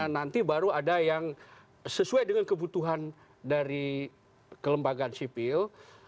nanti baru ada yang sesuai dengan kebutuhan dari kelembagaan sipil